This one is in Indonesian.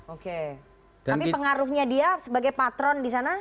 oke tapi pengaruhnya dia sebagai patron di sana